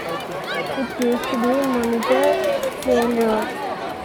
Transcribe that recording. It used to be the Montour Railroad.